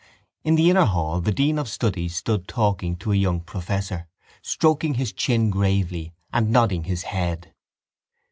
In the inner hall the dean of studies stood talking to a young professor, stroking his chin gravely and nodding his head.